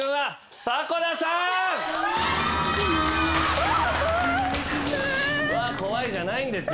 「うわぁ怖い」じゃないんですよ。